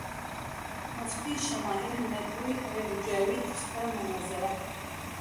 مفتی شمائل ندوي او جاوید اختر مناظره